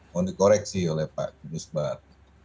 konekoreksi oleh pak ki musbar